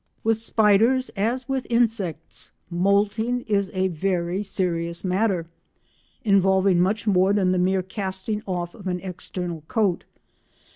With spiders, as with insects, moulting is a very serious matter, involving much more than the mere casting off of an external coat.